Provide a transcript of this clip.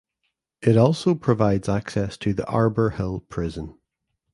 It also provides access to the Arbour Hill Prison.